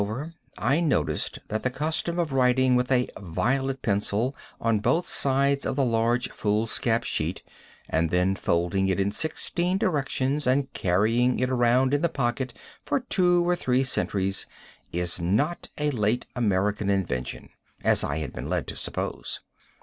over, I noticed that the custom of writing with a violet pencil on both sides of the large foolscap sheet, and then folding it in sixteen directions and carrying it around in the pocket for two or three centuries, is not a late American invention, as I had been led to suppose.